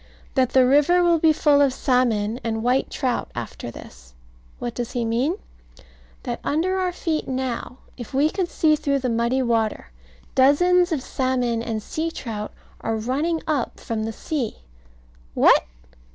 That the river will be full of salmon and white trout after this. What does he mean? That under our feet now, if we could see through the muddy water, dozens of salmon and sea trout are running up from the sea. What!